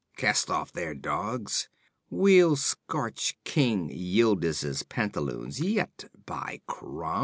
Cast off there, dogs! We'll scorch King Yildiz's pantaloons yet, by Crom!'